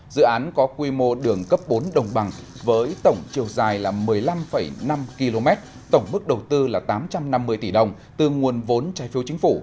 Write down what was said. dự án có quy mô đường cấp bốn đồng bằng với tổng chiều dài là một mươi năm năm km tổng mức đầu tư là tám trăm năm mươi tỷ đồng từ nguồn vốn trai phiêu chính phủ